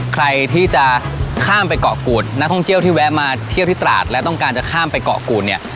ใครที่จะข้ามไปเกาะกูดนักท่องเที่ยวที่แวะมาเที่ยวที่ตราดและต้องการจะข้ามไปเกาะกูดเนี่ย